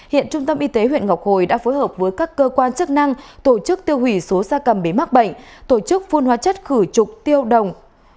hiện trung tâm y tế huyện ngọc hồi đã phối hợp với các cơ quan chức năng tổ chức tiêu hủy số gia cầm bị mắc bệnh tổ chức phun hóa chất khử trục tiêu đồng